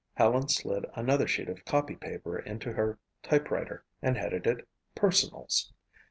Helen slid another sheet of copypaper into her typewriter and headed it "PERSONALS."